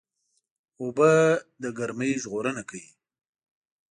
اوبه له ګرمۍ ژغورنه کوي.